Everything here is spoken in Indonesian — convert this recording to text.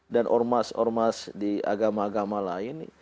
dan ormas ormas di agama agama lain